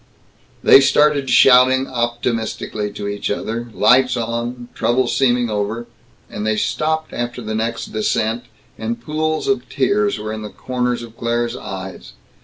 They started, shouting optimistically to each other, lights on, trouble seeming over and they stopped after the next descent, and pools of tears were in the corners of Claire's eyes.